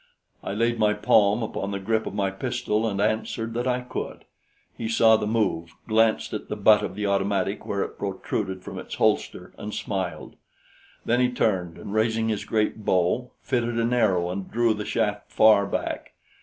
I laid my palm upon the grip of my pistol and answered that I could. He saw the move, glanced at the butt of the automatic where it protruded from its holster, and smiled. Then he turned and raising his great bow, fitted an arrow and drew the shaft far back.